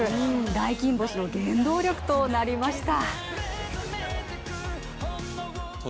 大金星の原動力となりました。